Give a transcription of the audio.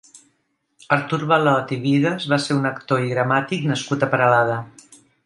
Artur Balot i Bigues va ser un actor i gramàtic nascut a Peralada.